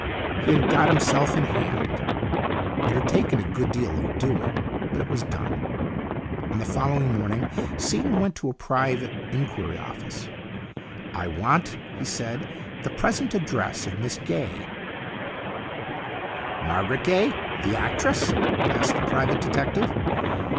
He had got himself in hand. It had taken a good deal of doing, but it was done. On the following morning Seaton went to a THE LAST CHANCE 129 private inquiry office. " I want," he said, " the present address of Miss Gaye." " Margaret Gaye ? The actress ?" asked the private detective.